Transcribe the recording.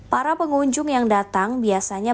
para pengunjung yang datang biasanya